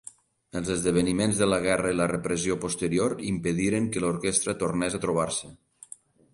Els esdeveniments de la guerra i la repressió posterior impediren que l'orquestra tornés a trobar-se.